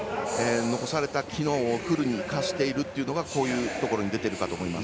残された機能をフルに生かしているというのがこういうところに出ていると思います。